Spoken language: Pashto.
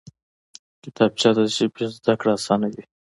کتابچه د ژبې زده کړه اسانوي